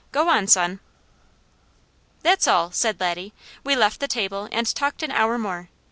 "Go on, son!" "That's all!" said Laddie. "We left the table and talked an hour more.